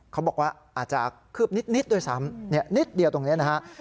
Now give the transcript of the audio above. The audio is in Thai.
เขาบอกว่าอาจจะคืบนิดด้วยซ้ำนิดเดียวตรงนี้นะฮะ